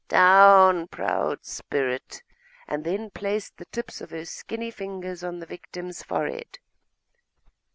down, proud spirit!' and then placed the tips of her skinny fingers on the victim's forehead.